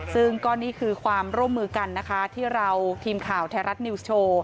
ซึ่งก็นี่คือความร่วมมือกันนะคะที่เราทีมข่าวไทยรัฐนิวส์โชว์